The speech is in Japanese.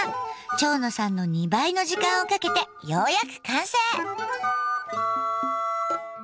蝶野さんの２倍の時間をかけてようやく完成！